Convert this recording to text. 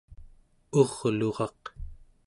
urluraq